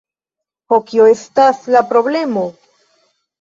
Oh, kio estas la problemo?